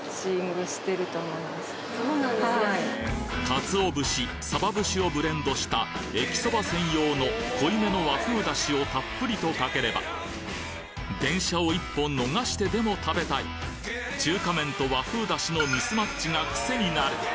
カツオ節・サバ節をブレンドしたえきそば専用の濃いめの和風出汁をたっぷりとかければ電車を１本逃してでも食べたい中華麺と和風出汁のミスマッチが癖になる